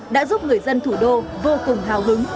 đã giúp người dân thủ đô vô cùng hào hứng